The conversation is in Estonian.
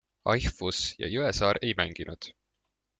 Eichfuss ja Jõesaar ei mänginud.